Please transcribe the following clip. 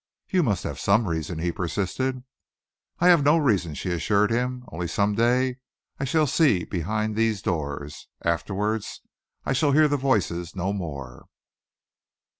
"You must have some reason," he persisted. "I have no reason," she assured him, "only some day I shall see behind these doors. Afterwards, I shall hear the voices no more."